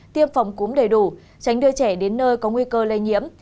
tiêm phòng cúm đầy đủ tránh đưa trẻ đến nơi có nguy cơ lây nhiễm